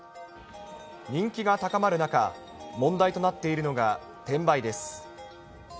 人気が高まる中、問題となっているのが転売です。